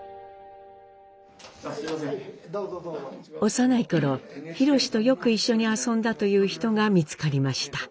幼い頃宏とよく一緒に遊んだという人が見つかりました。